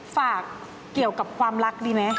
ฝากเกี่ยวกับความรักดีไหม